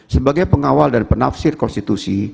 sebagai pengawal dan penafsir konstitusi